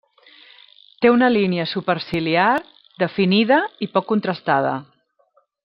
Té una línia superciliar definida i poc contrastada.